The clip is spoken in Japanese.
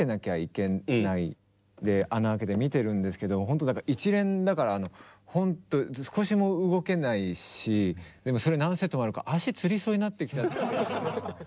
で穴開けて見てるんですけど一連だから本当少しも動けないしでもそれ何セットもあるから足つりそうになってきちゃって。